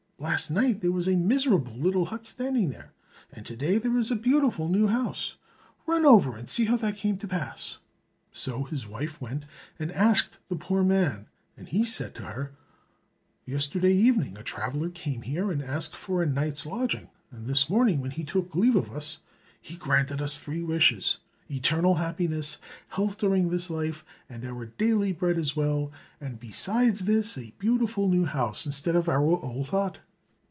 Last night there was a miserable little hut standing there, and to day there is a beautiful new house. Run over and see how that has come to pass." So his wife went and asked the poor man, and he said to her, "Yesterday evening a traveler came here and asked for a night's lodging, and this morning when he took leave of us he granted us three wishes—eternal happiness, health during this life and our daily bread as well, and besides this, a beautiful new house instead of our old hut."